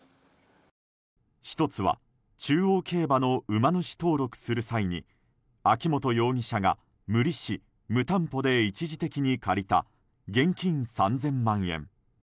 １つは中央競馬の馬主登録する際に秋本容疑者が無利子・無担保で一時的に借りた現金３０００万円。